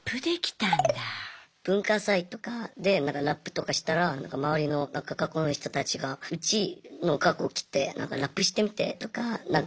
文化祭とかでラップとかしたら周りの学校の人たちがうちの学校来てラップしてみてとかなんか。